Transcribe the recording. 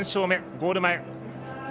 ゴール前。